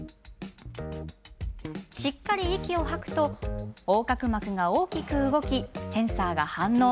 しっかり息を吐くと横隔膜が大きく動きセンサーが反応。